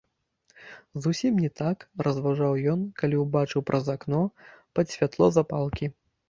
Зусім не так разважаў ён, калі ўбачыў праз акно, пад святло запалкі.